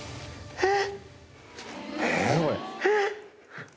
えっ！